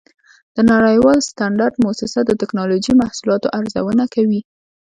د نړیوال سټنډرډ مؤسسه د ټېکنالوجۍ محصولاتو ارزونه کوي.